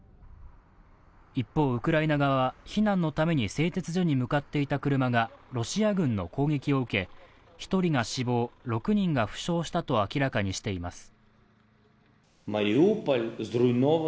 一方、ウクライナ側は避難のために製鉄所に向かっていた車がロシア軍の攻撃を受け、１人が死亡、６人が負傷したと明らかにしています。